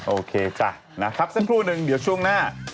โอเคจ้ะนะครับสักครู่หนึ่งเดี๋ยวช่วงหน้า